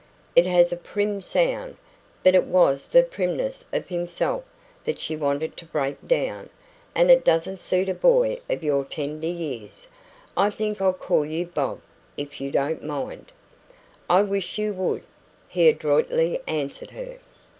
"It has a prim sound" but it was the primness of himself that she wanted to break down "and it doesn't suit a boy of your tender years. I think I'll call you Bob, if you don't mind." "I wish you would," he adroitly answered her.